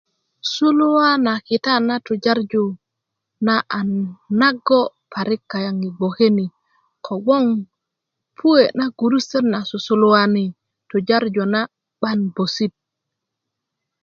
suluwa na kita na tujarju na a nago' parik kayang i gboke ni kogboŋ puwe na gurusutöt na susuluwani tujarju na 'ban 'bösit